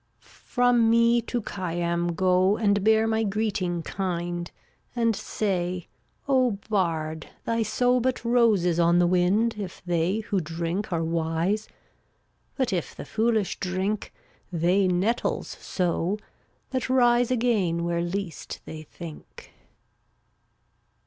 396 From me to Khayyam go And bear my greeting kind, And say: O bard, they sow But roses on the wind If they who drink are wise; But if the foolish drink, They nettles sow that rise Again where least they think.